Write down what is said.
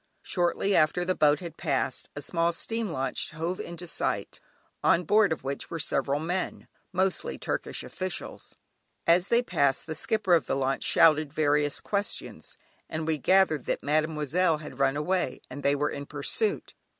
Shortly after the boat had passed, a small steam launch hove into sight, on board of which were several men, mostly Turkish officials. As they passed, the skipper of the launch shouted various questions, and we gathered that "Mademoiselle" had run away and they were in pursuit.